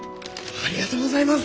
ありがとうございます！